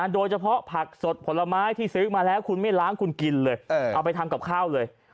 โดยเฉพาะผักสดผลไม้ที่ซื้อมาแล้วคุณไม่ล้างคุณกินเลยเอาไปทำกับข้าวเลย